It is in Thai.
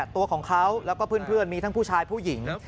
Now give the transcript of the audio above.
ตัวของเขาแล้วก็เพื่อนมีทั้งผู้ชายผู้หญิง